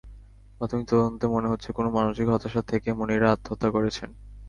প্রাথমিক তদন্তে মনে হচ্ছে, কোনো মানসিক হতাশা থেকে মনিরা আত্মহত্যা করেছেন।